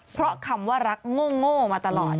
เพราะคำว่ารักโง่มาตลอด